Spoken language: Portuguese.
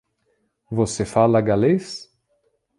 Você fala galês?